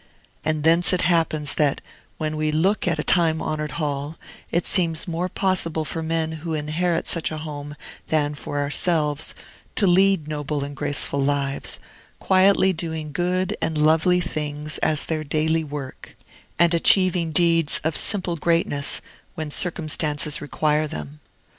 And thence it happens, that, when we look at a time honored hall, it seems more possible for men who inherit such a home, than for ourselves, to lead noble and graceful lives, quietly doing good and lovely things as their daily work, and achieving deeds of simple greatness when circumstances require them.